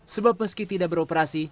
sebab meski tidak beroperasi